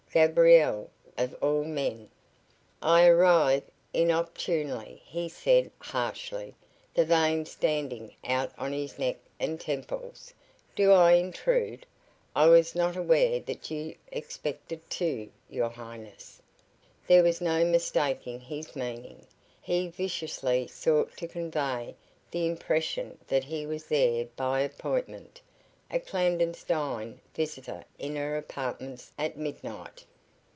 Gabriel, of all men! "I arrive inopportunely," he said, harshly, the veins standing out on his neck and temples. "Do I intrude? I was not aware that you expected two, your highness!" There was no mistaking his meaning. He viciously sought to convey the impression that he was there by appointment, a clandestine visitor in her apartments at midnight.